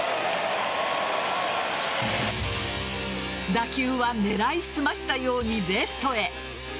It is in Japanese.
打球は狙いすましたようにレフトへ。